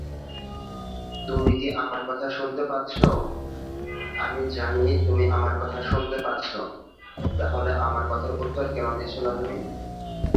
They brought back memories of his glorious days in school.